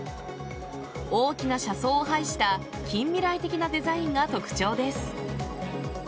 大きな車窓を配した近未来的なデザインが特徴です。